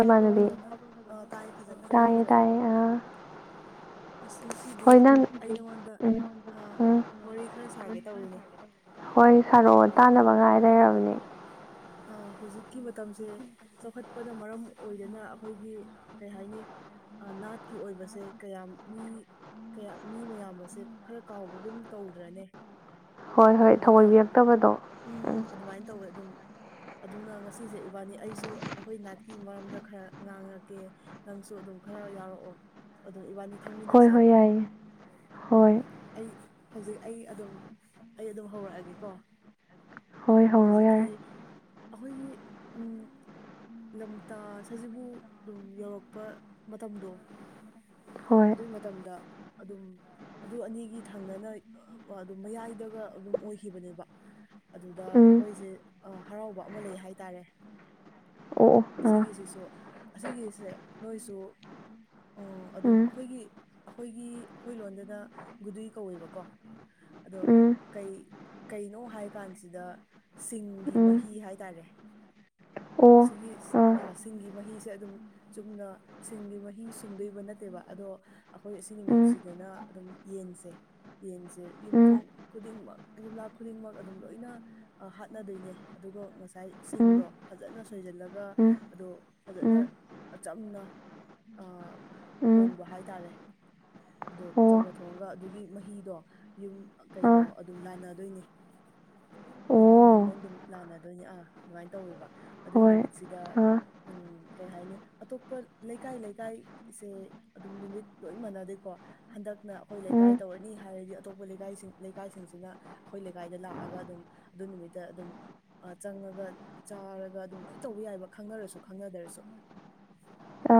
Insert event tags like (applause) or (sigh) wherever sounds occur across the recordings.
ꯇꯥꯕ꯭ꯔꯣ ꯏꯃꯥꯟꯅꯕꯤ ꯐꯖꯅ ꯑ ꯇꯥꯏ ꯐꯖꯅ ꯇꯥꯏꯌꯦ ꯇꯥꯏꯌꯦ ꯑꯥ ꯑꯁ ꯉꯁꯤꯗꯤ ꯍꯣꯏ ꯅꯪ ꯑꯩ ꯅꯉꯣꯟꯗ ꯎꯝ ꯑ ꯎꯝ ꯋꯥꯔꯤ ꯈꯔ ꯁꯥꯒꯦ ꯇꯧꯔꯤꯅꯦ ꯍꯣꯏ ꯁꯥꯔꯣ ꯇꯥꯟꯅꯕ ꯉꯥꯏ ꯂꯩꯔꯕꯅꯦ ꯑ ꯍꯧꯖꯤꯛꯀꯤ ꯃꯇꯝꯁꯦ ꯆꯥꯎꯈꯠꯄꯅ ꯃꯔꯝ ꯑꯣꯏꯗꯨꯅ ꯑꯩꯈꯣꯏꯒꯤ ꯀꯩ ꯍꯥꯏꯅꯤ ꯅꯥꯠꯀꯤ ꯑꯣꯏꯕꯁꯦ ꯀꯌꯥꯝ ꯃꯤ ꯀꯌꯥ ꯃꯤ ꯃꯌꯥꯝ ꯑꯁꯦ ꯈꯔ ꯀꯥꯎꯕꯒꯨꯝ ꯇꯧꯗ꯭ꯔꯅꯦ ꯍꯣꯏ ꯍꯣꯏ ꯑꯗꯨꯅ ꯊꯑꯣꯏꯕꯤꯔꯛꯇꯕꯗꯣ ꯎꯝ ꯑꯗꯨꯃꯥꯏꯅ ꯇꯧꯋꯦ ꯑꯗꯨꯝ ꯑꯗꯨꯅ ꯉꯁꯤꯁꯦ ꯏꯕꯥꯅꯤ ꯑꯩꯁꯨ ꯑꯩꯈꯣꯏ ꯅꯥꯏꯠꯀꯤ ꯃꯔꯝꯗ ꯈꯔ ꯉꯥꯡꯉꯛꯀꯦ ꯅꯪꯁꯨ ꯑꯗꯨꯝ ꯈꯔ ꯌꯥꯎꯔꯛꯑꯣ ꯑꯗꯨꯝ ꯏꯕꯥꯅꯤ ꯍꯣꯏ ꯍꯣꯏ ꯈꯪꯃꯤꯟꯅꯁꯦꯕ ꯌꯥꯏꯌꯦ ꯑꯥ ꯍꯣꯏ ꯑꯩ ꯍꯧꯖꯤꯛ ꯑꯩ ꯑꯗꯨꯝ ꯑꯩ ꯑꯗꯨꯝ ꯍꯧꯔꯛꯑꯒꯦ ꯀꯣ ꯍꯣꯏ ꯍꯧꯔꯣ ꯍꯧꯖꯤꯛꯀꯤ ꯌꯥꯔꯦ ꯑꯩꯈꯣꯏꯒꯤ ꯎꯝ ꯂꯝꯇꯥꯖꯤꯕꯨ ꯑꯗꯨꯝ ꯌꯧꯔꯛꯄ ꯃꯇꯝꯗꯣ ꯍꯣꯏ ꯑꯗꯨꯒꯤ ꯃꯇꯝꯗ ꯑꯗꯨꯝ ꯑꯗꯨ ꯑꯅꯤꯒꯤ ꯊꯪꯅꯅ ꯑꯗꯨꯝ ꯃꯌꯥꯏꯗꯒ ꯑꯗꯨꯝ ꯑꯣꯏꯈꯤꯕꯅꯦꯕ ꯑꯗꯨꯗ ꯎꯝ ꯑꯩꯈꯣꯏꯁꯦ ꯍꯔꯥꯎꯕ ꯑꯃ ꯂꯩ ꯍꯥꯏꯇꯥꯔꯦ ꯑꯣ ꯑꯣ ꯑꯥ ꯑꯁꯤꯒꯤꯁꯤꯁꯨ ꯑꯁꯤꯒꯤꯁꯦ ꯅꯣꯏꯁꯨ ꯑꯣ ꯑꯗꯨꯝ ꯑꯩꯈꯣꯏꯒꯤ ꯑꯩꯈꯣꯏꯒꯤ ꯑꯩꯈꯣꯏ ꯂꯣꯟꯗꯅ ꯒꯨꯗꯨꯏ ꯀꯧꯋꯦꯕꯀꯣ ꯑꯗꯣ ꯎꯝ ꯎꯝ ꯀꯩ ꯀꯩꯅꯣ ꯍꯥꯏ ꯀꯥꯟꯁꯤꯗ ꯁꯤꯡꯒꯤ ꯎꯝ ꯃꯍꯤ ꯍꯥꯏꯇꯥꯔꯦ ꯑꯣ ꯑꯁꯤꯒꯤ ꯑꯥ ꯐ ꯁꯤꯡꯒꯤ ꯃꯍꯤꯁꯦ ꯑꯗꯨꯝ ꯆꯨꯝꯅ ꯁꯤꯡꯒꯤ ꯃꯍꯤ ꯁꯨꯝꯗꯣꯏꯕ ꯅꯠꯇꯦꯕ ꯑꯗꯣ ꯑꯩꯈꯣꯏ ꯑꯁꯤꯒꯤ ꯎꯝ ꯅꯨꯃꯤꯠꯁꯤꯗꯅ ꯑꯗꯨꯝ ꯌꯦꯟꯁꯦ ꯌꯦꯟꯁꯦ ꯎꯝ ꯌꯨꯝꯊꯣꯡ ꯈꯨꯗꯤꯡꯃꯛ ꯌꯨꯝꯂꯛ ꯈꯨꯗꯤꯡꯃꯛ ꯑꯗꯨꯝ ꯂꯣꯏꯅ ꯍꯥꯠꯅꯗꯣꯏꯅꯦ ꯑꯗꯨꯒ ꯉꯁꯥꯏ ꯎꯝ ꯁꯤꯡꯗꯣ ꯐꯖꯅ ꯁꯣꯏꯁꯤꯜꯂꯒ ꯎꯝ ꯑꯗꯣ ꯐꯖꯅ ꯎꯝ ꯑꯆꯝꯅ ꯑ ꯎꯝ ꯊꯣꯡꯕ ꯍꯥꯏꯇꯥꯔꯦ ꯑꯗꯣ ꯑꯣ ꯆꯝꯅ ꯊꯣꯡꯉꯒ ꯑꯗꯨꯒꯤ ꯃꯍꯤꯗꯣ ꯌꯨꯝ ꯑꯥ ꯀꯩꯅꯣ ꯑꯗꯨꯝ ꯂꯥꯟꯅꯗꯣꯏꯅꯦ ꯌꯨꯝꯂꯣꯟ ꯑꯣ ꯌꯨꯝꯂꯣꯟ ꯑꯗꯨꯝ ꯂꯥꯟꯅꯗꯣꯏꯅꯦ ꯑꯥ ꯑꯗꯨꯃꯥꯏꯅ ꯇꯧꯋꯦꯕ ꯑꯗꯨꯒꯤ ꯍꯣꯏ ꯅꯨꯃꯤꯠꯁꯤꯗ ꯑꯥ ꯎꯝ ꯀꯩ ꯍꯥꯏꯅꯤ ꯑꯇꯣꯞꯄ ꯂꯩꯀꯥꯏ ꯂꯩꯀꯥꯏꯁꯦ ꯑꯗꯨꯝ ꯅꯨꯃꯤꯠ ꯂꯣꯏ ꯃꯥꯟꯅꯗꯦꯀꯣ ꯍꯟꯗꯛꯅ ꯑꯩꯈꯣꯏ ꯎꯝ ꯂꯩꯀꯥꯏ ꯇꯧꯔꯅꯤ ꯍꯥꯏꯔꯗꯤ ꯑꯇꯣꯞꯄ ꯂꯩꯀꯥꯏꯁꯤꯡ ꯂꯩꯀꯥꯏꯁꯤꯡꯁꯤꯅ ꯑꯩꯈꯣꯏ ꯂꯩꯀꯥꯏꯗ ꯂꯥꯛꯑꯒ ꯑꯗꯨꯝ ꯑꯗꯨ ꯅꯨꯃꯤꯠꯇ ꯑꯗꯨꯝ ꯆꯪꯉꯒ ꯆꯥꯔ ꯒ ꯑꯗꯨꯝ ꯂꯣꯏ ꯇꯧꯕ ꯌꯥꯏꯕ ꯈꯪꯅꯔꯁꯨ ꯈꯪꯅꯗꯔꯁꯨ ꯑ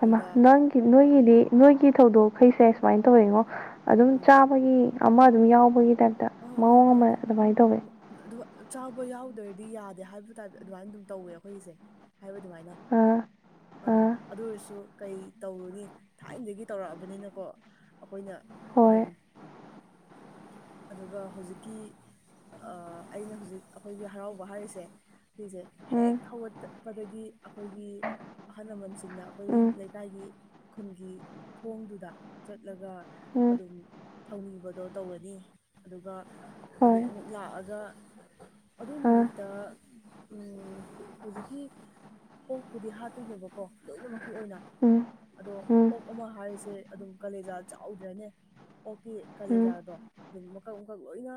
ꯍꯩꯃ ꯅꯪ ꯅꯣꯏꯒꯤꯗꯤ ꯅꯣꯏꯒꯤ ꯊꯧꯗꯣꯛꯈꯩꯁꯦ ꯁꯨꯃꯥꯏꯅ ꯇꯧꯋꯤꯉꯣ ꯑꯗꯨꯝ ꯑꯥ ꯆꯥꯕꯒꯤ ꯑꯃ ꯑꯗꯨꯝ ꯌꯥꯎꯕꯒꯤ ꯇꯥꯏꯞꯇ ꯃꯑꯣꯡ ꯑꯃ ꯑꯗꯨꯃꯥꯏꯅ ꯇꯧꯋꯦ ꯆꯥꯎꯕ ꯌꯥꯎꯗꯔꯗꯤ ꯌꯥꯗꯦ ꯍꯥꯏꯕ ꯇꯥꯏ ꯑꯗꯨꯃꯥꯏꯅ ꯑꯗꯨꯝ ꯇꯧꯋꯦ ꯑꯩꯈꯣꯏꯁꯦ ꯍꯥꯏꯕ ꯑꯗꯨꯃꯥꯏꯅ ꯑꯥ ꯑꯥ ꯑꯗꯨ ꯑꯣꯏꯔꯁꯨ ꯀꯩ ꯇꯧꯔꯨꯅꯤ ꯊꯥꯏꯅꯗꯒꯤ ꯇꯧꯔꯛꯑꯕꯅꯤꯅꯀꯣ ꯑꯩꯈꯣꯏꯅ ꯍꯣꯏ ꯑꯗꯨꯝ ꯑꯗꯨꯒ ꯍꯧꯖꯤꯛꯀꯤ ꯑꯩꯅ ꯍꯧꯖꯤꯛ ꯑꯩꯈꯣꯏꯒꯤ ꯍꯔꯥꯎꯕ ꯍꯥꯏꯔꯤꯁꯦ ꯁꯤꯁꯦ ꯎꯝ ꯍꯦꯛ ꯍꯧꯒꯠꯄꯗꯒꯤ ꯑꯩꯈꯣꯏꯒꯤ ꯑꯍꯜ ꯂꯃꯟꯁꯤꯡꯅ ꯑꯩꯈꯣꯏ ꯎꯝ ꯂꯩꯀꯥꯏꯒꯤ ꯈꯨꯟꯒꯤ ꯊꯣꯡꯗꯨꯗ ꯆꯠꯂꯒ ꯎꯝ ꯑꯗꯨꯝ ꯊꯧꯅꯤꯕꯗꯣ ꯇꯧꯔꯅꯤ ꯑꯗꯨꯒ ꯑꯗꯨ ꯍꯣꯏ ꯑꯃꯨꯛ ꯂꯥꯛꯑꯒ ꯑꯗꯨ ꯑꯥ ꯅꯨꯃꯤꯠꯇ ꯍꯧꯖꯤꯛꯀꯤ ꯑꯣꯛꯄꯨꯗꯤ ꯍꯥꯠꯇꯣꯏꯅꯦꯕꯀꯣ ꯂꯣꯏꯅꯃꯛꯀꯤ ꯑꯣꯏꯅ ꯎꯝ ꯑꯗꯣ ꯎꯝ ꯑꯣꯛ ꯑꯃ ꯍꯥꯏꯔꯤꯁꯦ ꯑꯗꯨꯝ ꯀꯥꯂꯦꯖꯥ ꯆꯥꯎꯗ꯭ꯔꯅꯦ ꯑꯣꯛ ꯀꯤ ꯎꯝ ꯀꯥꯂꯦꯖꯥꯗꯣ ꯑꯗꯨꯝ ꯃꯀꯛ ꯃꯀꯛ ꯂꯣꯏꯅ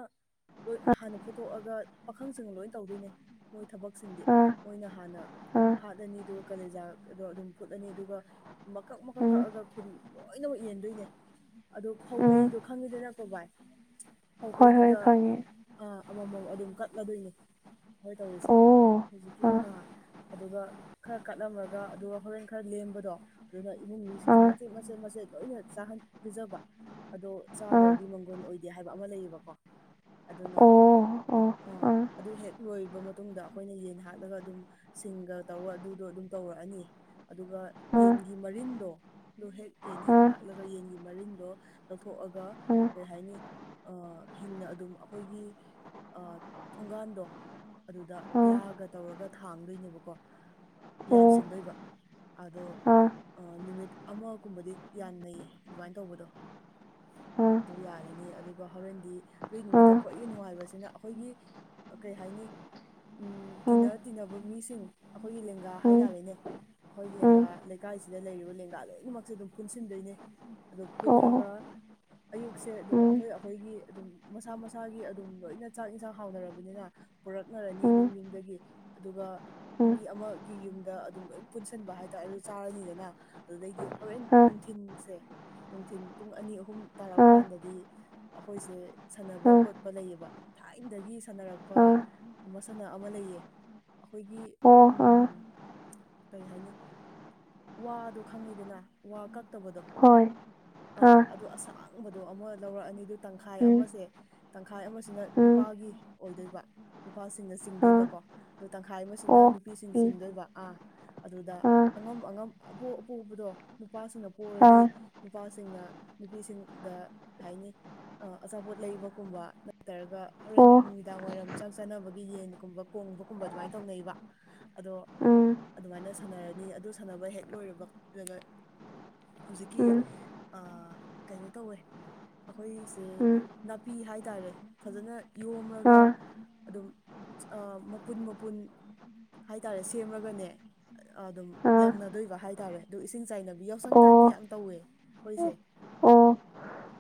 ꯂꯣꯏ ꯍꯥꯟꯅ ꯐꯨꯊꯣꯛꯑꯒ ꯄꯥꯈꯪꯁꯤꯡ ꯂꯣꯏ ꯇꯧꯗꯣꯏꯅꯦ ꯃꯣꯏ ꯊꯕꯛꯁꯤꯡꯗꯤ ꯑꯥ ꯃꯣꯏꯅ ꯍꯥꯟꯅ ꯑꯥ ꯍꯥꯠꯂꯅꯤ ꯑꯗꯨꯒ ꯀꯥꯂꯦꯖꯥꯗꯣ ꯑꯗꯨꯝ ꯐꯨꯠꯂꯅꯤ ꯑꯗꯨꯒ ꯃꯀꯛ ꯃꯀꯛ ꯎꯝ ꯀꯛꯑꯒ ꯈꯨꯟ ꯂꯣꯏꯅꯃꯛ ꯌꯦꯟꯗꯣꯏꯅꯦ ꯑꯗꯣ ꯐꯧ ꯎꯝ ꯀꯩꯗꯣ ꯈꯪꯉꯤꯗꯅꯀꯣ ꯚꯥꯏ ꯍꯣꯏ ꯍꯣꯏ ꯄꯥꯎꯀꯩꯗꯨꯗ ꯈꯪꯉꯦ ꯑꯃꯃꯝ ꯑꯗꯨꯝ ꯀꯠꯂꯗꯣꯏꯅꯤ ꯑꯩꯈꯣꯏ ꯇꯧꯔꯤꯁꯦ ꯑꯣ ꯍꯧꯖꯤꯛꯀꯤ ꯑꯥ ꯑꯗꯨꯒ ꯈꯔ ꯀꯠꯂꯝꯃꯒ ꯑꯗꯨꯒ ꯍꯣꯔꯦꯟ ꯈꯔ ꯂꯦꯝꯕꯗꯣ ꯑꯗꯨꯅ ꯏꯃꯨꯡ ꯃꯤꯁꯤꯡꯁꯦ ꯑꯥ ꯃꯆꯦꯠ ꯃꯆꯦꯠ ꯃꯆꯦꯠ ꯂꯣꯏꯅ ꯆꯥꯍꯟ ꯄꯤꯖꯕ ꯑꯗꯣ ꯑꯥ ꯆꯥꯗ꯭ꯔꯗꯤ ꯃꯪꯒꯣꯟ ꯑꯣꯏꯗꯦ ꯍꯥꯏꯕ ꯑꯃ ꯂꯩꯌꯦꯕꯀꯣ ꯑꯗꯨꯅ ꯑꯣ ꯑꯥ ꯑꯗꯨ ꯍꯦꯛ ꯂꯣꯏꯔꯕ ꯃꯇꯨꯡꯗ ꯑꯩꯈꯣꯏꯅ ꯌꯦꯟ ꯍꯥꯠꯂꯒ ꯑꯗꯨꯝ ꯁꯤꯡꯒ ꯇꯧꯔꯒ ꯑꯗꯨꯗꯣ ꯑꯗꯨꯝ ꯇꯧꯔꯛꯑꯅꯤ ꯑꯗꯨꯒ ꯑꯥ ꯌꯦꯟꯒꯤ ꯃꯔꯤꯟꯗꯣ ꯑꯗꯨ ꯍꯦꯛ ꯌꯦꯟ ꯍꯦꯛ ꯑꯥ ꯍꯥꯠꯂꯒ ꯌꯦꯟꯒꯤ ꯃꯔꯤꯟꯗꯣ ꯂꯧꯊꯣꯛꯑꯒ ꯑꯥ ꯑꯥ ꯀꯩ ꯍꯥꯏꯅꯤ ꯍꯤꯡꯅ ꯑꯗꯨꯝ ꯑꯩꯈꯣꯏꯒꯤ ꯊꯣꯡꯒꯥꯟꯗꯣ ꯑꯗꯨꯗ ꯑꯣ ꯂꯥꯛꯑꯒ ꯇꯧꯔꯒ ꯊꯥꯡꯗꯣꯏꯅꯦꯕꯀꯣ ꯌꯥꯟꯁꯤꯟꯗꯣꯏꯕ ꯑꯗꯣ ꯑꯥ ꯅꯨꯃꯤꯠ ꯑꯃꯒꯨꯝꯕꯗꯤ ꯌꯥꯟꯅꯩꯌꯦ ꯑꯗꯨꯃꯥꯏꯅ ꯇꯧꯕꯗꯣ ꯑꯥ ꯑꯗꯨꯝ ꯌꯥꯜꯂꯅꯤ ꯑꯗꯨ ꯑꯗꯣ ꯍꯣꯔꯦꯟꯗꯤ ꯑꯗꯨꯒꯤ ꯅꯨꯃꯤꯠꯇ ꯑꯥ ꯈ꯭ꯋꯥꯏꯒꯤ ꯅꯨꯡꯉꯥꯏꯕꯁꯤꯅ ꯑꯩꯈꯣꯏꯒꯤ ꯀꯩ ꯍꯥꯏꯅꯤ ꯎ ꯇꯤꯟꯅ ꯎꯝ ꯇꯤꯟꯅꯕ ꯃꯤꯁꯤꯡ ꯑꯩꯈꯣꯏꯒꯤ ꯂꯦꯡꯒꯥ ꯎꯝ ꯍꯥꯏꯇꯥꯔꯦꯅꯦ ꯑꯩꯈꯣꯏ ꯎꯝ ꯂꯦꯡꯒꯥ ꯂꯩꯀꯥꯏꯁꯤꯗ ꯂꯩꯔꯤꯕ ꯂꯦꯡꯒꯥ ꯂꯣꯏꯅꯃꯛꯁꯦ ꯑꯗꯨꯝ ꯄꯨꯟꯁꯤꯟꯗꯣꯏꯅꯦ ꯑꯗꯨ ꯑꯣ ꯑꯣ ꯄꯨꯜꯂꯒ ꯑꯌꯨꯛꯁꯦ ꯑꯗꯨꯝ ꯎꯝ ꯑꯩꯈꯣꯏꯒꯤ ꯑꯗꯨꯝ ꯃꯁꯥ ꯃꯁꯥꯒꯤ ꯑꯗꯨꯝ ꯂꯣꯏꯅ ꯆꯥꯛ ꯏꯟꯁꯥꯡ ꯍꯥꯎꯅꯔꯕꯅꯤꯅ ꯄꯨꯔꯛꯅꯔꯅꯤ ꯌꯨꯝ ꯎꯝ ꯌꯨꯝꯗꯒꯤ ꯑꯗꯨꯒ ꯎꯝ ꯃꯤ ꯑꯃꯒꯤ ꯌꯨꯝꯗ ꯑꯗꯨꯝ ꯂꯣꯏ ꯄꯨꯟꯁꯤꯟꯕ ꯍꯥꯏꯇꯥꯔꯦ ꯑꯗꯨ ꯆꯥꯔꯅꯤꯗꯅ ꯑꯗꯨꯗꯩꯗꯤ ꯍꯣꯔꯦꯟ ꯑ ꯅꯨꯡꯊꯤꯟꯁꯦ ꯅꯨꯡꯊꯤꯟ ꯄꯨꯡ ꯑꯅꯤ ꯑꯍꯨꯝ ꯇꯥꯔꯛ ꯑ ꯀꯥꯟꯗꯗꯤ ꯑꯩꯈꯣꯏꯁꯦ ꯁꯥꯟꯅꯕ ꯑ ꯈꯣꯠꯄ ꯂꯩꯌꯦꯕ ꯊꯥꯏꯅꯗꯒꯤ ꯁꯥꯟꯅꯔꯛꯄ ꯑ ꯃꯁꯅ ꯑꯃ ꯂꯩꯌꯦ ꯑꯩꯈꯣꯏꯒꯤ ꯑꯣ ꯑ ꯎꯝ ꯀꯔꯤ ꯍꯥꯏꯅꯤ ꯋꯥꯗꯣ ꯈꯪꯉꯤꯗꯅ ꯋꯥ ꯀꯛꯇꯕꯗꯣ ꯍꯣꯏ ꯑꯥ ꯑ ꯑꯗꯨ ꯑꯁꯥꯡꯕꯗꯣ ꯑꯃꯨ ꯂꯧꯔꯛꯑꯅꯤ ꯑꯗꯨ ꯇꯪꯈꯥꯏ ꯎꯝ ꯑꯃꯁꯦ ꯇꯪꯈꯥꯏ ꯑꯃꯁꯤꯅ ꯎꯝ ꯅꯨꯄꯥꯒꯤ ꯑꯣꯏꯗꯣꯏꯕ ꯅꯨꯄꯥꯁꯤꯡꯅ ꯑ ꯆꯤꯡꯗꯣꯏꯕꯀꯣ ꯑ ꯇꯪꯈꯥꯏ ꯑꯃꯁꯤꯅ ꯑꯣ ꯅꯨꯄꯤꯁꯤꯡ ꯎꯝ ꯆꯤꯡꯗꯣꯏꯕ ꯑꯥ ꯑꯗꯨꯗ ꯑ ꯑꯉꯝ ꯑꯉꯝ ꯑꯄꯣꯛ ꯑꯄꯣꯛꯕꯗꯣ ꯅꯨꯄꯥꯁꯤꯡꯅ ꯄꫭꯔꯗꯤ ꯑ ꯅꯨꯄꯥꯁꯤꯡꯅ ꯅꯨꯄꯤꯁꯤꯡꯗ ꯀꯩ ꯍꯥꯏꯅꯤ ꯑꯆꯥꯄꯣꯠ ꯂꯩꯕꯒꯨꯝꯕ ꯅꯠꯇ꯭ꯔꯒ ꯍꯣꯔꯦꯟ ꯑꯣ ꯅꯨꯃꯤꯗꯥꯡ ꯋꯥꯏꯔꯝ ꯆꯥꯛ ꯆꯥꯅꯕꯒꯤ ꯌꯦꯟꯒꯨꯝꯕ ꯀꯣꯡꯕꯒꯨꯝꯕ ꯑꯗꯨꯃꯥꯏꯅ ꯇꯧꯅꯩꯕ ꯑꯗꯣ ꯎꯝ ꯑꯗꯨꯃꯥꯏꯅ ꯁꯥꯟꯅꯔꯅꯤ ꯑꯗꯨ ꯁꯥꯟꯅꯕ ꯍꯦꯛ ꯂꯣꯏꯔꯕ ꯍꯧꯖꯤꯛꯀꯤ ꯎꯝ ꯀꯩꯅꯣ ꯇꯧꯋꯦ ꯑꯩꯈꯣꯏꯁꯦ ꯎꯝ ꯑ ꯅꯥꯄꯤ ꯍꯥꯏꯇꯥꯔꯦ ꯐꯖꯅ ꯌꯣꯝꯂꯒ ꯑ ꯑꯣ ꯑꯗꯨꯝ ꯃꯄꯨꯟ ꯃꯄꯨꯟ ꯍꯥꯏꯇꯥꯔꯦ ꯁꯦꯝꯃꯒꯅꯦ ꯑꯗꯨꯝ ꯂꯪꯅꯗꯣꯏꯕ ꯍꯥꯏ ꯇꯇꯥꯔꯦ ꯑꯗꯨ ꯏꯁꯤꯡ ꯆꯥꯏꯅꯕ ꯌꯥꯎꯁꯪ ꯇꯥꯏꯞꯇ ꯌꯥꯝ ꯇꯧꯋꯦ ꯑꯩꯈꯣꯏꯁꯦ ꯑꯣ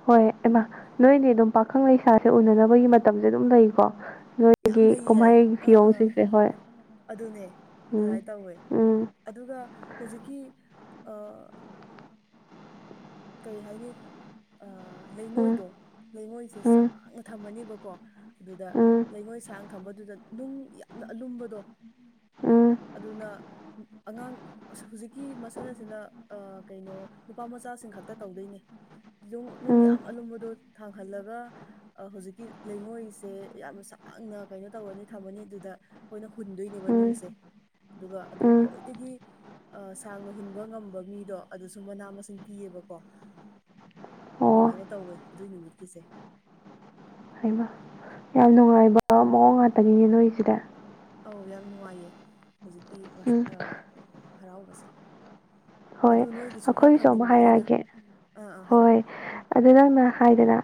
ꯍꯣꯏ ꯏꯃꯥ ꯅꯣꯏꯅꯦ ꯑꯗꯨꯝ ꯄꯥꯈꯪ ꯂꯩꯁꯥꯁꯦ ꯎꯅꯅꯕꯒꯤ ꯃꯇꯝꯁꯦ ꯑꯗꯨꯝ ꯂꯩꯀꯣ ꯌꯥꯝ ꯅꯣꯏꯒꯤ ꯂꯩꯌꯦ ꯀꯨꯝꯍꯩ ꯑꯥ ꯑꯥ ꯐꯤꯌꯣꯡꯁꯤꯡꯁꯦ ꯍꯣꯏ ꯑꯗꯨꯅꯦ ꯎꯝ ꯑꯗꯨꯃꯥꯏꯅ ꯇꯧꯋꯦ ꯎꯝ ꯑꯗꯨꯒ ꯍꯧꯖꯤꯛꯀꯤ ꯀꯩ ꯍꯥꯏꯅꯤ ꯑ ꯎꯝ ꯂꯩꯉꯣꯏꯗꯣ ꯂꯩꯉꯣꯏꯁꯦ ꯎꯝ ꯁꯥꯡꯅ ꯊꯝꯃꯅꯤꯕꯀꯣ ꯑꯗꯨꯗ ꯎꯝ ꯂꯩꯉꯣꯏ ꯁꯥꯡ ꯊꯝꯕꯗꯨꯗ ꯅꯨꯡ ꯌꯥꯝꯅ ꯑꯂꯨꯝꯕꯗꯣ ꯑꯗꯨꯅ ꯑꯉꯥꯡ ꯑꯁ ꯍꯧꯖꯤꯛꯀꯤ ꯃꯁꯅ ꯑꯁꯤꯅ ꯀꯩꯅꯣ ꯅꯨꯄꯥ ꯃꯆꯥꯁꯤꯡ ꯈꯛꯇ ꯇꯧꯗꯣꯏꯅꯦ ꯅꯨꯡ ꯎꯝ ꯌꯥꯝ ꯑꯂꯨꯝꯕꯗꯣ ꯊꯥꯡꯍꯜꯂꯒ ꯍꯧꯖꯤꯛꯀꯤ ꯂꯩꯉꯣꯏꯁꯦ ꯌꯥꯝꯅ ꯁꯥꯡꯅ ꯀꯩꯅꯣ ꯇꯧꯔꯅꯤ ꯊꯝꯃꯅꯤ ꯑꯗꯨꯗ ꯑꯩꯈꯣꯏꯅ ꯍꯨꯟꯗꯣꯏꯅꯦꯕ ꯎꯝ ꯎꯝ ꯅꯨꯡꯁꯦ ꯑꯗꯨꯒ ꯑꯗꯨ ꯎꯝ ꯈ꯭ꯋꯥꯏꯗꯒꯤ ꯑ ꯁꯥꯡꯅ ꯍꯨꯟꯕ ꯉꯝꯕ ꯃꯤꯗꯣ ꯑꯗꯨꯁꯨ ꯃꯅꯥ ꯃꯁꯤꯡ ꯄꯤꯌꯦꯕꯀꯣ ꯀꯣ ꯑꯣ ꯑꯗꯨꯃꯥꯏꯅ ꯇꯧꯋꯦ ꯑꯗꯨꯏ ꯅꯨꯃꯤꯠꯀꯤꯁꯦ ꯍꯥꯏꯃ ꯌꯥꯝ ꯅꯨꯡꯉꯥꯏꯕ ꯃꯑꯣ ꯄꯨꯡ ꯉꯥꯛꯇꯒꯤꯅꯦ ꯅꯣꯏꯁꯤꯗ ꯑꯧ ꯌꯥꯝ ꯅꯨꯡꯉꯥꯏꯌꯦ ꯍꯧꯖꯤꯛꯀꯤ ꯎꯝ ꯍꯔꯥꯎꯕꯁꯦ ꯍꯣꯏ ꯑꯗꯨ ꯅꯣꯏꯒꯤꯁꯨ ꯈꯔ ꯑꯩꯈꯣꯏꯒꯤꯁꯨ ꯑꯃꯨꯛ ꯈꯪꯅꯤꯡꯕ ꯑꯩꯅ ꯍꯥꯏꯔꯛꯑꯒꯦ ꯑꯥ ꯑꯥ ꯍꯣꯏ ꯍꯥꯏꯔꯛꯑꯣ ꯑꯗꯨ ꯅꯪꯅ ꯍꯥꯏꯗꯅ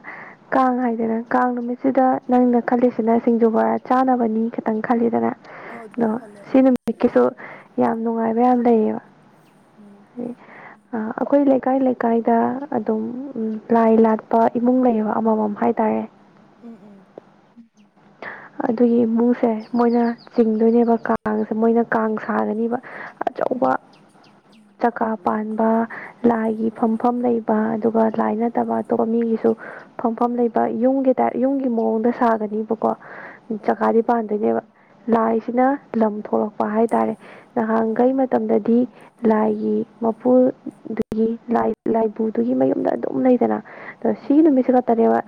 ꯀꯥꯡ ꯍꯥꯏꯗꯅ ꯀꯥꯡ ꯅꯨꯃꯤꯠꯁꯤꯗ ꯅꯪꯅ ꯈꯜꯂꯤꯁꯤꯅ ꯁꯤꯡꯖꯨ ꯕꯣꯔꯥ ꯆꯥꯅꯕꯅꯤ ꯈꯥꯇꯪ ꯈꯜꯂꯤꯗꯅ ꯑꯧ ꯑꯗꯣ ꯑꯗꯨꯃꯥꯏꯅ ꯈꯜꯂꯦ ꯁꯤ ꯑꯥ ꯅꯨꯃꯤꯠꯀꯤꯁꯨ ꯌꯥꯝ ꯅꯨꯡꯉꯥꯏꯕ ꯌꯥꯝ ꯂꯩꯌꯦꯕ ꯎꯝ ꯎꯝ ꯑꯩꯈꯣꯏ ꯂꯩꯀꯥꯏ ꯂꯩꯀꯥꯏꯗ ꯑꯗꯨꯝ ꯑꯗꯨꯝ ꯂꯥꯏ ꯂꯥꯏ ꯂꯥꯠꯄ ꯏꯃꯨꯡ ꯂꯥꯠꯄ ꯂꯩꯌꯦꯕ ꯏꯃꯨꯡ ꯑꯃꯃꯝ ꯂꯩꯈꯣ ꯍꯥꯏꯇꯥꯔꯦ ꯑꯃꯃꯝ꯫ ꯎꯝ ꯎꯝ ꯑꯗꯨꯒꯤ ꯏꯃꯨꯡꯁꯦ ꯃꯣꯏꯅ (inaudible) ꯆꯤꯡꯗꯣꯏꯅꯦꯕ ꯀꯥꯡꯁꯦ ꯃꯣꯏꯅ ꯀꯥꯡ (inaudible) ꯁꯥꯒꯅꯤꯕ ꯑꯆꯧꯕ (unintelligible) ꯆꯀꯥ ꯄꯥꯟꯕ ꯂꯥꯏꯒꯤ ꯐꯝꯐꯝ ꯂꯩꯕ ꯑꯗꯨꯒ ꯂꯥꯏ ꯅꯠꯇꯕ ꯑꯇꯣꯞꯄ ꯃꯤꯒꯤꯁꯨ ꯐꯝꯐꯝ ꯂꯩꯕ ꯌꯨꯝꯒꯤ ꯇꯥꯏꯞ ꯌꯨꯝꯒꯤ ꯃꯑꯣꯡꯗ ꯁꯥꯒꯅꯤꯕꯀꯣ ꯎꯝ ꯑꯣ ꯆꯀꯥꯗꯤ ꯄꯥꯟꯗꯣꯏꯅꯦꯕ ꯂꯥꯏꯁꯤꯅ ꯂꯝ ꯊꯣꯛꯂꯛꯄ ꯍꯥꯏ ꯇꯥꯔꯦ ꯑꯣ ꯅꯍꯥꯟꯈꯩ ꯑꯣ ꯃꯇꯝꯗꯗꯤ ꯂꯥꯏꯒꯤ ꯃꯄꯨꯜꯗꯨꯒꯤ ꯂꯥꯏꯕꯨꯗꯨꯒꯤ ꯃꯌꯨꯝꯗ ꯑꯗꯨꯝ ꯂꯩꯗꯅ ꯑꯗꯣ ꯎꯝ ꯁꯤꯒꯤ ꯎꯝ ꯅꯨꯃꯤꯠꯁꯤ ꯈꯥꯇꯅꯦꯕ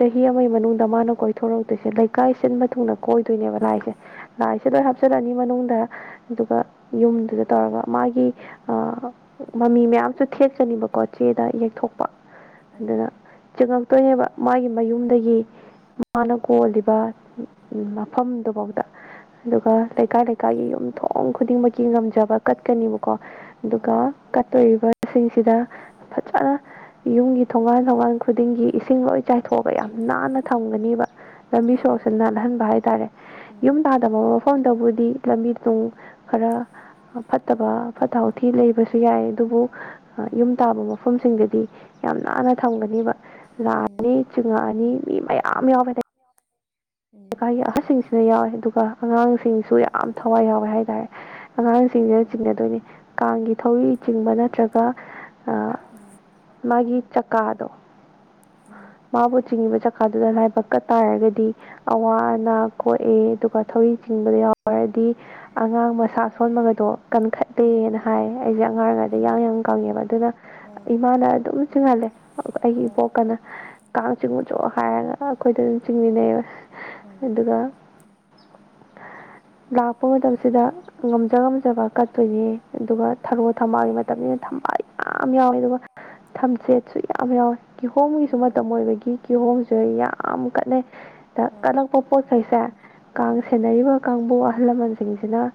ꯆꯍꯤ ꯑꯃꯒꯤ ꯃꯅꯨꯡꯗ ꯃꯥꯅ ꯀꯣꯏꯊꯣꯔꯛꯇꯣꯏꯁꯦ ꯀꯥꯏ ꯁꯤꯟꯕ ꯊꯨꯡꯅ ꯀꯣꯏꯗꯣꯏꯅꯦꯕ ꯂꯥꯏꯁꯦ ꯂꯥꯏꯁꯦ ꯂꯣꯏ ꯑꯣ ꯍꯥꯞꯆꯤꯜꯂꯅꯤ ꯃꯅꯨꯡꯗ ꯑꯗꯨꯒ ꯌꯨꯝꯗꯨꯗ ꯇꯧꯔꯒ ꯃꯥꯒꯤ ꯃꯃꯤ ꯃꯌꯥꯝꯁꯨ ꯊꯦꯛꯀꯅꯤꯕꯀꯣ ꯆꯦꯗ ꯌꯦꯛꯊꯣꯛꯄ ꯎꯝ ꯑꯗꯨꯅ ꯆꯤꯡꯉꯛꯇꯣꯏꯅꯦꯕ ꯃꯥꯒꯤ ꯃꯌꯨꯝꯗꯒꯤ ꯃꯥꯅ ꯀꯣꯜꯂꯤꯕ ꯕ ꯎꯝ ꯎꯝ ꯃꯐꯝꯗꯨꯐꯥꯎꯗ ꯑꯗꯨꯒ ꯂꯩꯀꯥꯏ ꯂꯩꯀꯥꯏꯒꯤ ꯌꯨꯝꯊꯣꯡ ꯈꯨꯗꯤꯡꯃꯛꯀꯤ ꯉꯝꯖꯕ ꯀꯠꯀꯅꯤꯕꯀꯣ꯫ ꯑꯣ ꯑꯗꯨꯒ ꯀꯠꯇꯣꯔꯤꯕꯁꯤꯡꯁꯤꯗ ꯐꯖ ꯌꯨꯝꯒꯤ ꯊꯣꯡꯒꯥꯟ ꯊꯣꯡꯒꯥꯟ ꯈꯨꯗꯤꯡꯒꯤ ꯏꯁꯤꯡ ꯂꯣꯏ ꯆꯥꯏꯊꯣꯛꯑꯒ ꯌꯥꯝ ꯅꯥꯟꯅ ꯊꯝꯒꯅꯤꯕ꯫ ꯂꯝꯕꯤ ꯎꯝ ꯎꯝ ꯁꯣꯔꯣꯛꯁꯦ ꯅꯥꯜꯍꯟꯕ ꯍꯥꯏꯇꯥꯔꯦ ꯎꯝ ꯎꯝ ꯎꯝ ꯌꯨꯝ ꯇꯥꯗꯕ ꯃꯑꯣ ꯑꯣꯟꯗꯕꯨꯗꯤ ꯂꯝꯕꯤ ꯇꯨꯡ ꯈꯔ ꯐꯠꯇꯕ ꯐꯠꯇ ꯍꯥꯎꯊꯤ ꯂꯩꯕꯁꯨ ꯌꯥꯏ ꯑꯗꯨꯕꯨ ꯑꯥ ꯎꯝ ꯌꯨꯝ ꯇꯥꯕ ꯃꯐꯝꯁꯤꯡꯗꯗꯤ ꯌꯥꯝ ꯅꯥꯟꯅ ꯆꯤꯡꯉꯛꯑꯅꯤ ꯊꯝꯒꯅꯤꯕ꯫ ꯂꯥꯛꯑꯅꯤ ꯆꯤꯡꯉꯛꯑꯅꯤ ꯃꯤ ꯃꯌꯥꯝ ꯌꯥꯎꯕꯗꯩ꯫ ꯎꯝ ꯂꯩꯀꯥꯏꯒꯤ ꯑꯍꯜꯁꯤꯡꯁꯤꯅ ꯌꯥꯎꯋꯦ ꯑꯗꯨꯒ ꯑꯉꯥꯡꯁꯤꯡꯁꯨ ꯌꯥꯝ ꯊꯋꯥꯏ ꯌꯥꯎꯋꯦ ꯍꯥꯏꯇꯥꯔꯦ꯫ ꯑꯉꯥꯡꯁꯤꯡꯁꯤꯅ ꯑꯣ ꯆꯤꯡꯅꯗꯣꯏꯅꯤ ꯀꯥꯡꯒꯤ ꯊꯧꯔꯤ ꯆꯤꯡꯕ ꯅꯠꯇ꯭ꯔꯒ ꯑꯥ ꯃꯥꯒꯤ ꯆꯛꯀꯥꯗꯣ ꯀꯥꯞ ꯎꯝ ꯃꯥꯕꯨ ꯆꯤꯡꯉꯤꯕ ꯆꯀꯥꯗꯨꯗ ꯂꯥꯏꯕꯛ ꯀꯠꯇꯥꯔꯒꯗꯤ ꯑꯋꯥ ꯑꯅꯥ ꯀꯣꯛꯑꯦ ꯑꯗꯨꯒ ꯊꯧꯔꯤ ꯆꯤꯡꯕꯗ ꯌꯥꯎꯔꯗꯤ ꯑꯉꯥꯡ ꯃꯁꯥ ꯁꯣꯟꯕꯒꯗꯣ ꯎꯝ ꯀꯟꯈꯠꯂꯦꯅ ꯍꯥꯏ ꯑꯩꯖꯦ ꯑꯉꯥꯡꯔꯤꯉꯩꯗ ꯌꯥꯡ ꯑꯩꯃ ꯌꯥꯡ ꯀꯪꯉꯦꯕ ꯑꯗꯨꯅ ꯎꯝ ꯏꯃꯥꯅ ꯑꯗꯨꯝ ꯆꯤꯡꯍꯜꯂꯦ ꯑꯥ ꯑꯩꯒꯤ ꯑꯣ ꯏꯕꯣꯛꯀꯅ ꯀꯥꯡ ꯆꯤꯡꯉꯨꯆꯣ ꯍꯥꯏꯔꯒ ꯑꯈꯣꯏꯗ ꯑꯗꯨꯝ ꯆꯤꯡꯃꯤꯟꯅꯩꯕ꯫ ꯎꯝ ꯑꯣ ꯑꯗꯨꯒ (inaudible) ꯂꯥꯛꯄ ꯃꯇꯝꯁꯤꯗ ꯉꯝꯖ ꯉꯝꯖꯕ ꯀꯠꯇꯣꯏꯅꯦ ꯑꯗꯨꯒ ꯊꯔꯣ ꯊꯝꯕꯥꯜꯒꯤ ꯃꯇꯝꯅꯤꯅ ꯊꯝꯕꯥꯜ ꯌꯥ ꯌꯥꯝ ꯌꯥꯎꯋꯦ ꯑꯗꯨꯒ ꯊꯝꯆꯦꯠꯁꯨ ꯌꯥꯝ ꯌꯥꯎꯋꯦ ꯎꯝ ꯀꯤꯍꯣꯝꯒꯤꯁꯨ ꯎꯝ ꯃꯇꯝ ꯑꯣꯏꯕꯒꯤ ꯀꯤꯍꯣꯝꯁꯨ ꯌꯥꯝ ꯀꯠꯅꯩ꯫ ꯀꯜꯂꯛꯄ ꯄꯣꯠ ꯆꯩꯩꯁꯦ ꯀꯥꯡ ꯁꯦꯟꯅꯔꯤꯕ ꯀꯥꯡꯕꯨ ꯑꯍꯜ ꯂꯃꯟꯁꯤꯡꯁꯤꯅ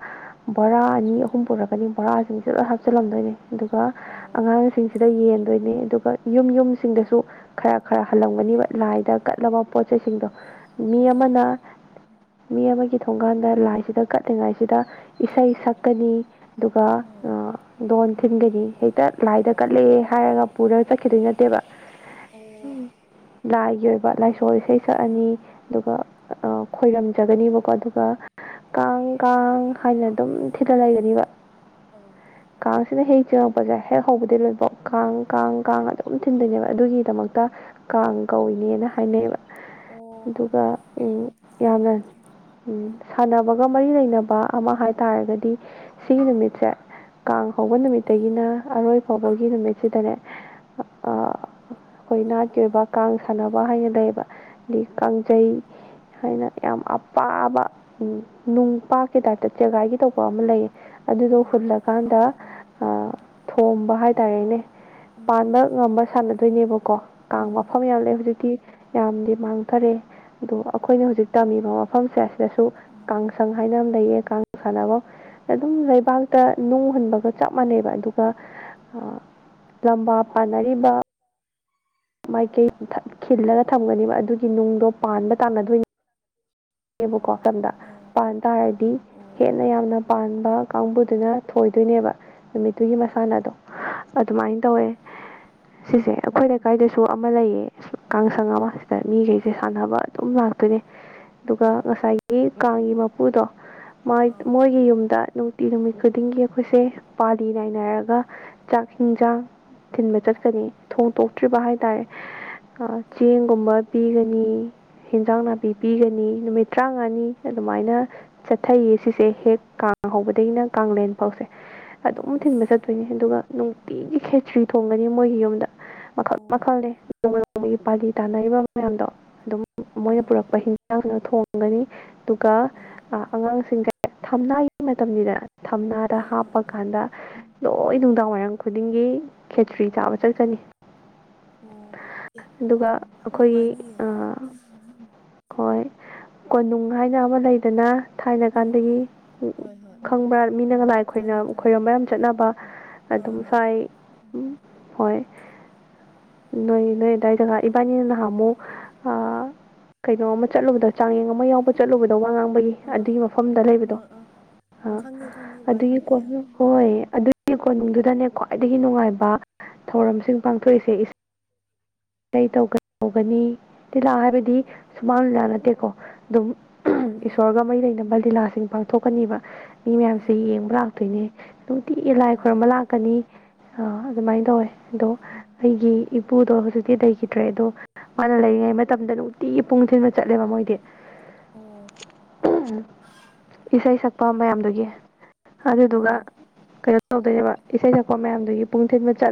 ꯕꯣꯔꯥ ꯑꯅꯤ ꯑꯍꯨꯝ ꯄꯨꯔꯛꯀꯅꯤ ꯕꯣꯔꯥꯁꯤꯡꯁꯤꯗ ꯂꯣꯏ ꯍꯥꯞꯆꯤꯜꯂꯝꯗꯣꯏꯅꯦ꯫ ꯑꯗꯨꯒ ꯑꯣ ꯑꯉꯥꯡꯁꯤꯡꯁꯤꯗ ꯌꯦꯟꯗꯣꯏꯅꯦ ꯑꯗꯨꯒ ꯌꯨꯝ ꯌꯨꯝꯁꯤꯡꯗꯁꯨ ꯈꯔ ꯈꯔ ꯍꯜꯂꯝꯒꯅꯤꯕ ꯂꯥꯏꯗ ꯀꯠꯂꯕ ꯄꯣꯠ ꯆꯩꯁꯤꯡꯗꯣ ꯃꯤ ꯎꯝ ꯑꯃꯅ ꯃꯤ ꯑꯃꯒꯤ ꯊꯣꯡꯒꯥꯟꯗ ꯂꯥꯏꯁꯤꯗ ꯀꯠꯂꯤꯉꯩꯁꯤꯗ ꯏꯁꯩ ꯁꯛꯀꯅꯤ ꯑꯗꯨꯒ ꯎꯝ ꯎꯝ ꯑꯥ ꯗꯣꯟ ꯊꯤꯟꯒꯅꯤ ꯍꯦꯛꯇ ꯂꯥꯏꯗ ꯍꯩꯃ ꯀꯠꯂꯦ ꯍꯥꯏꯔꯒ ꯄꯨꯔꯒ ꯆꯠꯈꯤꯗꯣꯏ ꯅꯠꯇꯦꯕ 'inaudible' ꯂꯥꯏꯒꯤ ꯑꯣꯏꯕ ꯂꯥꯏꯁꯣꯜ ꯏꯁꯩ ꯁꯛꯑꯅꯤ ꯑꯗꯨꯒ ꯑꯥ ꯑꯥ ꯈꯣꯏꯔꯝꯖꯒꯅꯦꯕꯀꯣ ꯑꯗꯨꯒ ꯀꯥꯡ ꯀꯥꯡ ꯍꯥꯏꯅ ꯑꯗꯨꯝ ꯊꯤꯂ ꯂꯩꯒꯅꯤꯕ ꯑꯥ ꯀꯥꯡꯁꯤꯅ ꯍꯦꯛ ꯆꯤꯡꯉꯛꯄꯁꯦ ꯍꯦꯛ ꯍꯧꯕꯗꯩ ꯂꯣꯏꯕꯥꯎ ꯀꯥꯡ ꯀꯥꯡ ꯀꯥꯡ ꯑꯗꯨꯝ ꯊꯤꯟꯗꯣꯏꯅꯦꯕ ꯑꯗꯨꯒꯤꯗꯃꯛꯇ꯫ ꯀꯥꯡ ꯀꯧꯏꯅꯦꯅ ꯍꯥꯏꯅꯩꯑꯕ ꯑꯣ ꯑꯗꯨꯒ ꯑꯦ ꯌꯥꯝꯅ꯫ ꯎꯝ ꯁꯥꯟꯅꯕꯒ ꯃꯔꯤ ꯂꯩꯅꯕ ꯑꯃ ꯍꯥꯏꯇꯥꯔꯒꯗꯤ꯫ ꯁꯤꯒꯤ ꯅꯨꯃꯤꯠꯁꯦ ꯀꯥꯡ ꯍꯧꯕ ꯅꯨꯃꯤꯠꯇꯒꯤꯅ ꯑꯔꯣꯏ ꯐꯥꯎꯕꯒꯤ ꯅꯨꯃꯤꯠꯁꯤꯗꯅꯦ꯫ ꯑꯩꯈꯣꯏ ꯅꯥꯠꯀꯤ ꯑꯣꯏꯕ ꯀꯥꯡ ꯁꯥꯟꯅꯕ ꯍꯥꯏꯅ ꯂꯩꯌꯦꯕ꯫ ꯑꯗꯒꯤ ꯀꯥꯡꯖꯩ ꯍꯥꯏꯅ ꯌꯥꯝ ꯑꯄꯥꯕ꯫ ꯎꯝ ꯅꯨꯡ ꯄꯥꯛꯀꯤ ꯇꯥꯏꯞꯇ ꯆꯦꯒꯥꯏꯒꯤ ꯇꯧꯕ ꯑꯃ ꯂꯩꯌꯦ ꯑꯗꯨꯗꯣ ꯑꯣ ꯍꯨꯜꯂꯀꯥꯟꯗ ꯑꯥ ꯊꯣꯝꯕ ꯍꯥꯏꯇꯥꯔꯦꯅꯦ ꯎꯝ ꯎꯝ ꯄꯥꯟꯕ ꯉꯝꯕ ꯁꯥꯟꯅꯗꯣꯏꯅꯦꯕꯀꯣ ꯀꯥꯡ ꯎꯝ ꯎꯝ ꯃꯐꯝ ꯌꯥꯝ ꯂꯩ ꯍꯧꯖꯤꯛꯇꯤ ꯌꯥꯝꯗꯤ ꯃꯥꯡ ꯈꯔꯦ ꯑꯗꯣ ꯑꯩꯈꯣꯏꯅ ꯍꯧꯖꯤꯛ ꯇꯝꯃꯤꯕ ꯃꯐꯝꯁꯦ ꯁꯤꯗꯁꯨ ꯎꯝ ꯀꯥꯡꯁꯪ ꯍꯥꯏꯅ ꯑꯃ ꯂꯩꯌꯦ ꯀꯥꯡ ꯁꯥꯟꯅꯕꯝ꯫ ꯑꯗꯨꯝ ꯂꯩꯕꯥꯛꯇ ꯅꯨꯡ ꯍꯨꯟꯕꯒ ꯆꯞ ꯃꯥꯟꯅꯩꯕ ꯑꯗꯨꯒ ꯑꯥ ꯂꯝꯕꯥ ꯄꯥꯅꯔꯤꯕ꯫ ꯃꯥꯏꯀꯩ ꯗꯛ ꯈꯤꯜꯂꯒ ꯊꯝꯒꯅꯦꯕ ꯑꯗꯨꯒꯤ ꯅꯨꯡꯗꯣ ꯄꯥꯟꯕ ꯇꯥꯟꯅꯗꯣꯏꯅꯤ꯫ ꯕꯀꯣ ꯑꯣ ꯁꯝꯗ ꯑꯥ ꯄꯥꯟ ꯇꯥꯔꯗꯤ꯫ ꯑꯣ ꯍꯦꯟꯅ ꯌꯥꯝꯅ ꯄꯥꯟꯕ ꯀꯥꯡꯕꯨꯗꯨꯅ ꯊꯣꯏꯗꯣꯏꯅꯦꯕ꯫ ꯅꯨꯃꯤꯠꯇꯨꯒꯤ ꯃꯁꯥꯟꯅꯗꯣ ꯑꯗꯨꯃꯥꯏꯅ ꯇꯧꯋꯦ꯫ ꯁꯤꯁꯦ ꯑꯩꯈꯣꯏ ꯂꯩꯀꯥꯏꯗꯁꯨ ꯑꯃ ꯂꯩꯌꯦ ꯀꯥꯡꯁꯪ ꯑꯃ ꯁꯤꯗ ꯃꯤꯈꯩꯁꯦ ꯁꯥꯟꯅꯕ꯫ ꯑꯗꯨꯝ ꯂꯥꯛꯀꯅꯤ꯫ ꯑꯗꯨꯒ ꯑꯣ ꯉꯁꯥꯏꯒꯤ ꯀꯥꯡꯒꯤ ꯃꯄꯨꯗꯣ ꯑꯥ ꯃꯣꯏꯒꯤ ꯌꯨꯝꯗ꯫ ꯅꯨꯡꯇꯤ ꯅꯨꯃꯤꯠ ꯈꯨꯗꯤꯡꯒꯤ ꯑꯩꯈꯣꯏꯁꯦ ꯄꯥꯂꯤ ꯅꯥꯏꯅꯔꯒ ꯆꯥꯛ ꯍꯤꯟꯖꯥꯡ꯫ ꯊꯤꯟꯕ ꯆꯠꯀꯅꯤ ꯊꯣꯡꯇꯣꯛꯇ꯭ꯔꯤꯕ ꯍꯥꯏꯇꯥꯔꯦ꯫ ꯆꯦꯡꯒꯨꯝꯕ ꯄꯤꯒꯅꯤ ꯍꯦꯟꯖꯥꯡ ꯅꯥꯄꯤ ꯄꯤꯒꯅꯤ꯫ ꯅꯨꯃꯤꯠ ꯇꯔꯥꯃꯉꯥꯅꯤ ꯑꯗꯨꯃꯥꯏꯅ꯫ ꯆꯠꯊꯩꯌꯦ ꯁꯤꯁꯦ ꯍꯦꯛ ꯀꯥꯡ ꯍꯧꯕꯗꯒꯤꯅ ꯀꯥꯡꯂꯦꯟ ꯐꯥꯎꯁꯦ꯫ ꯑꯣ ꯑꯗꯨꯝ ꯊꯤꯟꯕ ꯆꯠꯇꯣꯏꯅꯦ ꯑꯗꯨꯒ ꯅꯨꯡꯇꯤꯒꯤ ꯈꯦꯇ꯭ꯔꯤ ꯊꯣꯡꯒꯅꯤ ꯃꯣꯏꯒꯤ ꯌꯨꯝꯗ꯫ ꯃꯈꯜ ꯑꯣ ꯃꯈꯜꯅꯤ ꯅꯣꯡꯃ ꯅꯣꯡꯃꯒꯤ ꯄꯥꯂꯤ ꯇꯥꯅꯔꯤꯕ ꯃꯌꯥꯝꯗꯣ ꯑꯗꯨꯝ ꯑꯣ ꯃꯣꯏꯅ ꯄꯨꯔꯛꯄ ꯍꯤꯡ꯫ ꯍꯤꯟꯖꯥꯡꯅ ꯊꯣꯡꯒꯅꯤ ꯑꯗꯨꯒ ꯑꯣ ꯑꯉꯥꯡꯁꯤꯡꯁꯦ ꯊꯝꯅꯥꯒꯤ ꯃꯇꯝꯅꯤꯗ꯫ ꯊꯝꯅꯥꯗ ꯑꯥ ꯑꯥ ꯑꯥ ꯍꯥꯞꯄꯀꯥꯟꯗ꯫ ꯂꯣꯏ ꯅꯨꯡꯗꯥꯡꯋꯥꯏꯔꯝ ꯈꯨꯗꯤꯡꯒꯤ ꯈꯦꯇ꯭ꯔꯤ ꯆꯥꯕ ꯆꯠꯀꯅꯤ꯫ ꯑꯣ ꯑꯦ ꯑꯗꯨꯒ ꯌꯥꯝ ꯑꯩꯈꯣꯏ ꯅꯨꯡꯉꯥꯏꯅꯤꯌꯦ ꯑꯥ꯫ ꯍꯣꯏ ꯀꯣꯅꯨꯡ ꯍꯥꯏꯅ ꯑꯃ ꯂꯩꯗꯅ꯫ ꯊꯥꯏꯅ ꯎꯝ ꯎꯝ ꯀꯥꯟꯗꯒꯤ ꯍꯣꯏ ꯍꯣꯏ ꯈꯪꯕ꯭ꯔꯥ ꯃꯤꯅꯒ ꯂꯥꯏ ꯑꯩꯈꯣꯏꯅ ꯈꯪꯉꯦ ꯈꯪꯉꯦ ꯈꯣꯏꯔꯣꯝꯕ ꯌꯥꯝ ꯆꯠꯅꯕ꯫ ꯑꯥ ꯑꯗꯨꯝ ꯑꯥ ꯁꯥꯏ ꯎꯝ꯫ ꯍꯣꯏ ꯅꯣꯏ ꯅꯣꯏ ꯑꯗꯨꯋꯥꯏꯗ ꯉ ꯏꯕꯥꯅꯤꯅ ꯅꯍꯥꯟ ꯑꯃꯨꯛ ꯑꯥ꯫ ꯀꯩꯅꯣ ꯑꯃ ꯆꯠꯂꯨꯕꯗꯣ ꯆꯥꯡꯌꯦꯡ ꯑꯃ ꯌꯥꯎꯕ ꯆꯠꯂꯨꯕꯗꯣ ꯋꯥꯉꯥꯡꯕ꯫ ꯒꯤ ꯑꯥ ꯑꯗꯨꯒꯤ ꯃꯐꯝꯗ ꯂꯩꯕꯗꯣ ꯑꯥ ꯑꯥ ꯑꯥ ꯈꯪꯉꯦ ꯈꯪꯉꯦ ꯚꯥꯏ ꯑꯗꯨꯒꯤ ꯈꯪꯉꯦ ꯀꯣ꯫ ꯑꯥ ꯍꯣꯏ ꯑꯗꯨꯒꯤ ꯀꯣꯅꯨꯡꯗꯨꯗꯅꯦ ꯈ꯭ꯋꯥꯏꯗꯒꯤ ꯅꯨꯡꯉꯥꯏꯕ ꯊꯧꯔꯝꯁꯤꯡ ꯄꯥꯡꯊꯣꯛꯏꯁꯦ꯫ ꯏꯁꯩ ꯇꯧꯒꯅꯤ ꯂꯤꯂꯥ ꯍꯥꯏꯕꯗꯤ ꯁꯨꯃꯥꯡ ꯂꯤꯂꯥ ꯅꯠꯇꯦꯀꯣ ꯑꯗꯨꯝ꯫ ꯎꯝ ꯎꯝ ꯏꯁꯣꯔꯒ ꯃꯩ ꯂꯩꯅꯕ ꯂꯤꯂꯥꯁꯤꯡ ꯄꯥꯡꯊꯣꯛꯀꯅꯤꯕ ꯃꯤ ꯃꯌꯥꯝꯁꯦ ꯎꯝ ꯌꯦꯡꯕ ꯂꯥꯛꯇꯣꯏꯅꯦ꯫ ꯅꯨꯡꯇꯤ ꯂꯥꯏ ꯑꯣ ꯈꯣꯏꯔꯝꯕ ꯂꯥꯛꯀꯅꯤ ꯑꯗꯨꯃꯥꯏꯅ ꯎꯝ ꯇꯧꯋꯦ꯫ ꯑꯗꯣ ꯑꯩꯒꯤ ꯏꯄꯨꯗꯣ ꯍꯧꯖꯤꯛ꯫ ꯇꯤ ꯂꯩꯈꯤꯗ꯭ꯔꯦ ꯑꯗꯣ ꯃꯥꯅ ꯂꯩꯔꯤꯉꯩ ꯃꯇꯝꯗ ꯅꯨꯡꯇꯤꯒꯤ ꯄꯨꯡ ꯊꯤꯡꯅ ꯆꯠꯂꯦꯕ ꯃꯣꯏꯗꯤ꯫ ꯑꯣ꯫ ꯏꯁꯩ ꯁꯛꯄ ꯃꯌꯥꯝꯗꯨꯒꯤ ꯑꯗꯨꯗꯨꯒ꯫ ꯑꯣ ꯀꯩꯅꯣ ꯇꯧꯗꯣꯏꯕ ꯏꯁꯩ ꯁꯛꯄ ꯃꯌꯥꯝꯗꯨꯒꯤ ꯄꯨꯡ ꯊꯤꯟꯕ ꯆꯠꯂꯦ꯫